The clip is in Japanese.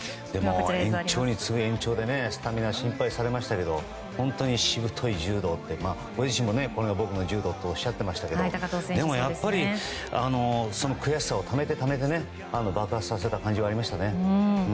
延長に次ぐ延長でスタミナが心配されましたけど本当にしぶとい柔道ってご自身もこれが僕の柔道とおっしゃっていましたけどでも、悔しさをためてためて爆発させた感じはありましたね。